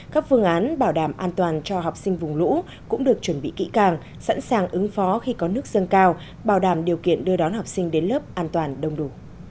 các phương án bảo đảm an toàn cho học sinh vùng lũ cũng được chuẩn bị kỹ càng sẵn sàng ứng phó khi có nước dâng cao bảo đảm điều kiện đưa đón học sinh đến lớp an toàn đông đủ